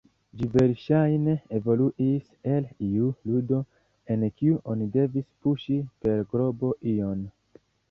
Ĝi verŝajne evoluis el iu ludo, en kiu oni devis puŝi per globo ion.